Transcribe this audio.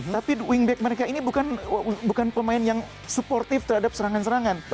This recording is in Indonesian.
tapi wingback mereka ini bukan pemain yang supportif terhadap serangan serangan